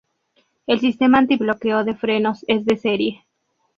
El sistema antibloqueo de frenos es de serie.